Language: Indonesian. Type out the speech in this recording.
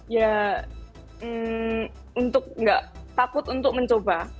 ya untuk nggak takut untuk mencoba